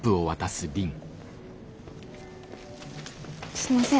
すいません。